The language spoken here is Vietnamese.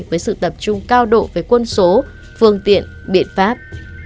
với sự tập trung cao độ về quân số phương tiện biện pháp